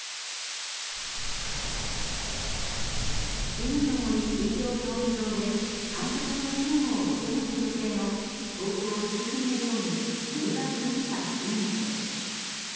海の森水上競技場で観客の救護を受け持つ予定の東京曳舟病院、三浦邦久副院長。